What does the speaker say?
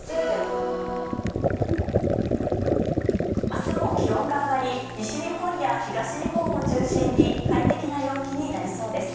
明日も気温が上がり西日本や東日本を中心に快適な陽気になりそうです。